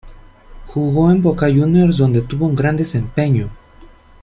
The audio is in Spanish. Jugó en Boca Juniors donde tuvo un gran desempeño.